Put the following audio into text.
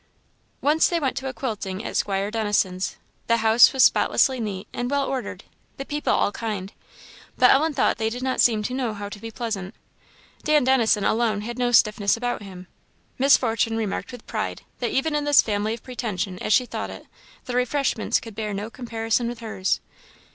Once they went to a quilting at Squire Dennison's; the house was spotlessly neat and well ordered; the people all kind; but Ellen thought they did not seem to know how to be pleasant. Dan Dennison alone had no stiffness about him. Miss Fortune remarked with pride, that even in this family of pretension, as she thought it, the refreshments could bear no comparison with hers.